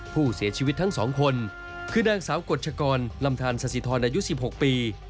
ผู้เสียชีวิตทั้งสองคนคือนางสาวกฎชกรลำทานสสิทรอายุ๑๖ปี